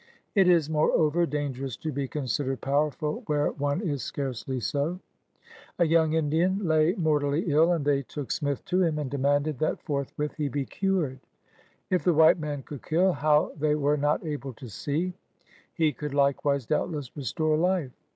It is, moreover, dangerous to be considered powerful where one is scarcely so. 44 PIONEERS OF THE OLD SOUTH A young Indian lay mortally ill, and they took Smith to him and demanded that forthwith he be cured. If the white man could kill — how they were not able to see — he could likewise doubtless restore life.